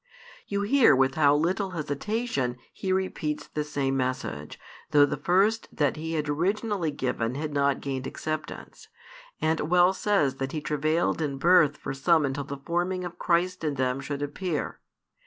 You hear with how little hesitation he repeats the same message, though the first that he had originally given had not gained acceptance, and well says that he travailed in birth for some until the forming of Christ in them should appear.